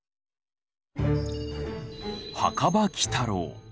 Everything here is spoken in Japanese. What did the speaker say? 「墓場鬼太郎」。